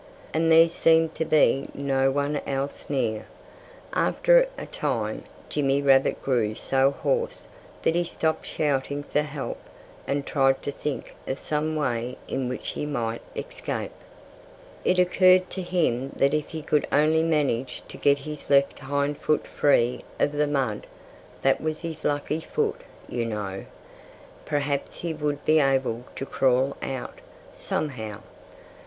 And there seemed to be no one else near. After a time Jimmy Rabbit grew so hoarse that he stopped shouting for help and tried to think of some way in which he might escape. It occurred to him that if he could only manage to get his left hind foot free of the mud (that was his lucky foot, you know) perhaps he would be able to crawl out, somehow.